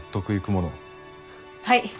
はい。